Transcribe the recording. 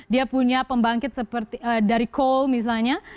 dia punya pembangkit seperti dari coal misalnya